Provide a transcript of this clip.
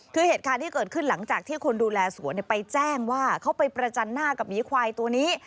คือเหตุการณ์ที่เกิดขึ้นหลังจากที่คนดูแลสวนไปแจ้งว่าเขาไปประจันหน้ากับหมีควายตัวนี้